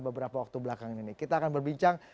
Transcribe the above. beberapa waktu belakangan ini kita akan berbincang